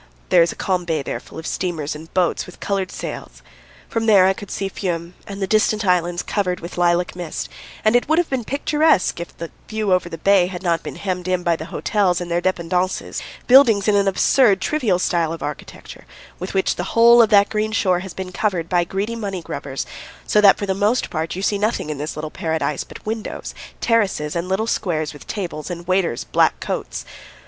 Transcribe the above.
There is a calm bay there full of steamers and boats with coloured sails. From there I could see Fiume and the distant islands covered with lilac mist, and it would have been picturesque if the view over the bay had not been hemmed in by the hotels and their dépendances buildings in an absurd, trivial style of architecture, with which the whole of that green shore has been covered by greedy money grubbers, so that for the most part you see nothing in this little paradise but windows, terraces, and little squares with tables and waiters' black coats.